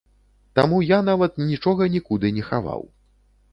Таму я нават нічога нікуды не хаваў.